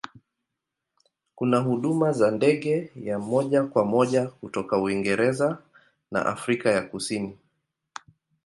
Kuna huduma za ndege ya moja kwa moja kutoka Uingereza na Afrika ya Kusini.